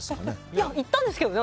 いや、行ったんですけどね。